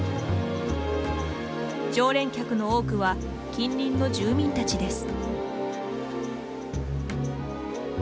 常連客の多くは近隣の住民たちです。